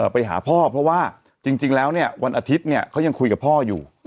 ไปหาพ่อเพราะว่าจริงแล้วเนี่ยวันอาทิตย์เนี่ยเขายังคุยกับพ่ออยู่